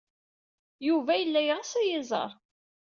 Yuba yella yeɣs ad iyi-iẓer.